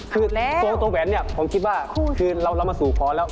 คือตัวแหวนผมคิดว่าเรามาสู่ข้อแล้ว